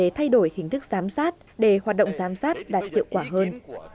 để thay đổi hình thức giám sát để hoạt động giám sát đạt hiệu quả hơn